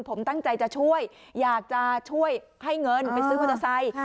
ผมตั้งใจจะช่วยอยากจะช่วยให้เงินไปซื้อมอเตอร์ไซค์